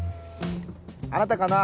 あなたかな？